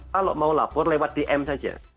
kalau mau lapor lewat dm saja